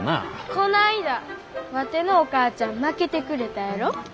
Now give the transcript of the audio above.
こないだワテのお母ちゃんまけてくれたやろ？